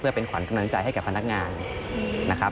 เป็นขวัญกำลังใจให้กับพนักงานนะครับ